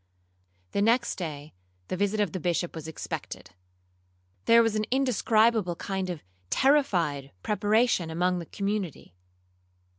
The next day the visit of the Bishop was expected. There was an indescribable kind of terrified preparation among the community.